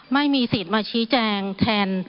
ไม่มีสิทธิ์มาชี้แจงแทน